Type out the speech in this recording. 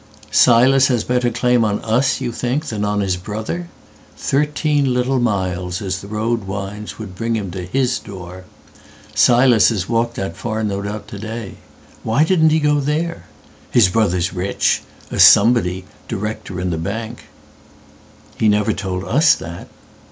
"Silas has better claim on us you thinkThan on his brother? Thirteen little milesAs the road winds would bring him to his door. Silas has walked that far no doubt to day. Why didn't he go there? His brother's rich,A somebody—director in the bank.""He never told us that."